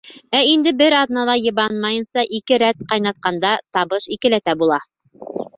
Ә инде бер аҙнала йыбанмайынса ике рәт ҡайнатҡанда, табыш икеләтә була.